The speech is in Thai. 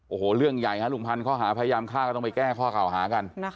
โอ้โหเรื่องใหญ่ฮะลุงพันธ์ข้อหาพยายามฆ่าก็ต้องไปแก้ข้อเก่าหากัน